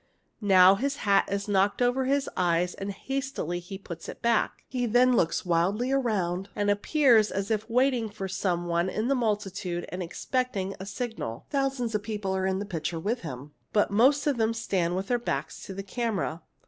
Now his hat is knocked over his eyes and hastily he puts it back. He then looks wildly around, and appears as if waiting for some one in the multitude and expecting a signal. Thousands of people are in the picture with him, but most of them stand with their backs to the camera.